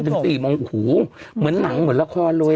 คุณแม่แบบเป็นตั้งเลยคุณแม่แบบเป็นตั้งเลยคุณแม่แบบเป็นตั้งเลย